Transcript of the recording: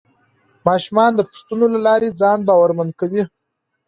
ماشومان د پوښتنو له لارې ځان باورمن کوي